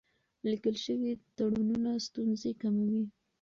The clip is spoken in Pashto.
لیکل شوي تړونونه ستونزې کموي.